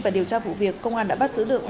và điều tra vụ việc công an đã bắt giữ được